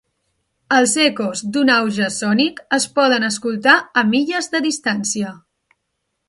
Els ecos d'un auge sònic es poden escoltar a milles de distància.